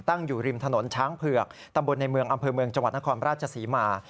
อยู่ริมถนนช้างเผือกตำบลในเมืองอำเภอเมืองจังหวัดนครราชศรีมา